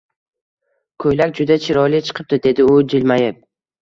Ko`ylak juda chiroyli chiqibdi dedi u jilmayib